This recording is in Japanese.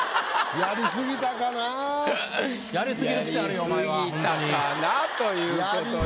やり過ぎたかなということで。